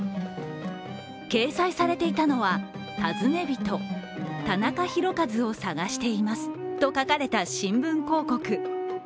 掲載されていたのは「尋ね人」「タナカヒロカズを探しています」と書かれた新聞広告。